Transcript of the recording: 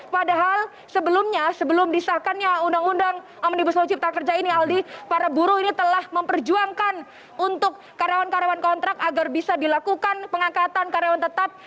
padahal sebelumnya sebelum disahkannya undang undang omnibus law cipta kerja ini aldi para buruh ini telah memperjuangkan untuk karyawan karyawan kontrak agar bisa dilakukan pengangkatan karyawan tetap